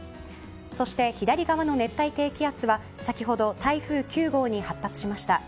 そして左側の熱帯低気圧は先ほど台風９号に発達しました。